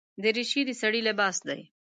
دریشي د سړي لباس دی.